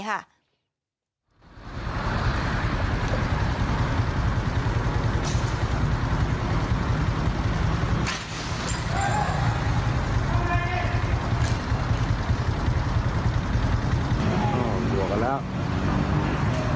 อย่างนานเข้าสุขภาพบ้านวิธี